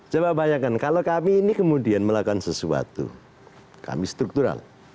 coba bayangkan kalau kami ini kemudian melakukan sesuatu kami struktural